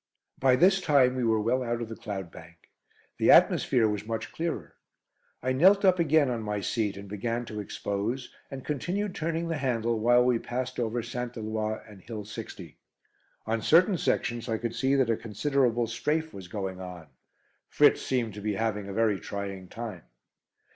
By this time we were well out of the cloud bank. The atmosphere was much clearer. I knelt up again on my seat and began to expose, and continued turning the handle while we passed over St. Eloi and Hill 60. On certain sections I could see that a considerable "strafe" was going on. Fritz seemed to be having a very trying time.